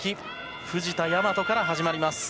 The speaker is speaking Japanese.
藤田倭から始まります。